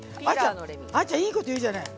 あーちゃんいいこと言うじゃない。